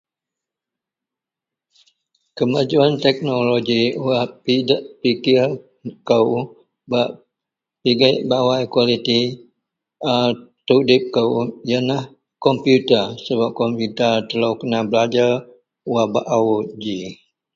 Kemajuwan teknoloji wak pid pikir kou, bak pigek bawai kualiti a tudip kou yenlah kompiuta sebab kompiuta telou kena belajer wak baou ji